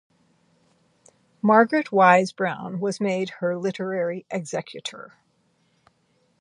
Margaret Wise Brown was made her literary executor.